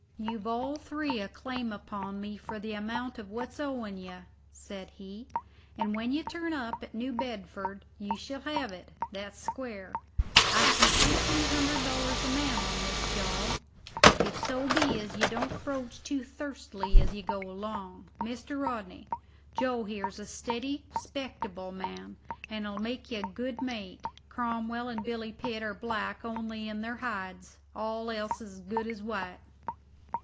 "You've all three a claim upon me for the amount of what's owing ye," said he, "and when you turn up at New Bedford you shall have it that's square. I see fifteen hundred dollars a man on this job, if so be as ye don't broach too thirstily as you go along. Mr. Rodney, Joe here's a steady, 'spectable man, and'll make you a good mate. Cromwell and Billy Pitt are black only in their hides; all else's as good as white."